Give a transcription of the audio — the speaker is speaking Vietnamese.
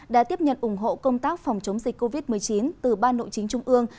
đã tiếp nhận ủng hộ công tác phòng chống dịch covid một mươi chín từ ban nội chính trung ương